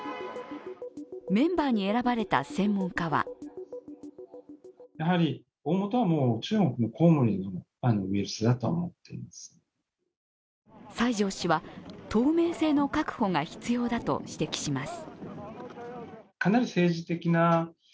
メンバーに選ばれた専門家は西條氏は透明性の確保が必要だと指摘します。